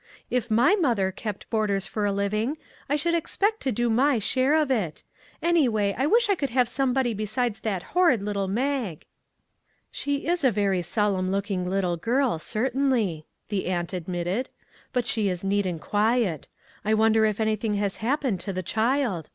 If my mother kept boarders for a living, I should expect to do my share of it. Anyway, I wish I could have somebody besides that hor rid little Mag." " She is a very solemn looking little girl, cer tainly," the aunt admitted, " but she is neat and quiet. I wonder if anything has happened to the child?